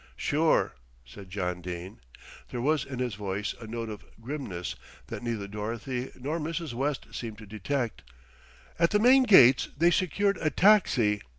"Sure," said John Dene. There was in his voice a note of grimness that neither Dorothy nor Mrs. West seemed to detect. At the main gates they secured a taxi.